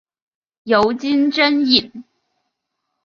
尤金真蚓。